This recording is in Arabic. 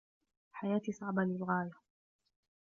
حياتي صعبة للغاية.